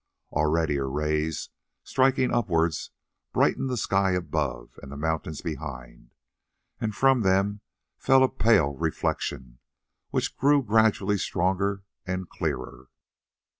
Already her rays, striking upwards, brightened the sky above and the mountains behind, and from them fell a pale reflection, which grew gradually stronger and clearer.